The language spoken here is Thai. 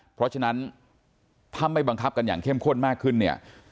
เพราะฉะนั้นถ้าไม่บังคับกันอย่างเข้มข้นมากขึ้นเนี่ย